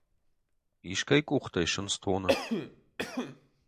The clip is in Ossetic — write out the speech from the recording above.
Искӕй къухтӕй сындз тоны.